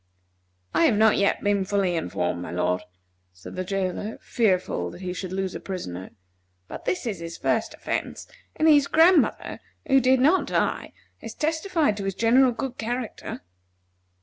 "I have not yet been fully informed, my lord," said the jailer, fearful that he should lose a prisoner; "but this is his first offence, and his grandmother, who did not die, has testified to his general good character."